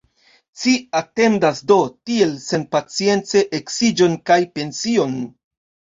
Ci atendas do tiel senpacience eksiĝon kaj pension!